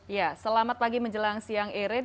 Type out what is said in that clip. ya selamat pagi menjelang siang irin